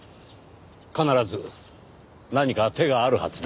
必ず何か手があるはずです。